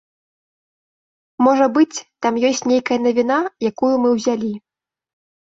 Можа быць, там ёсць нейкая навіна, якую мы ўзялі.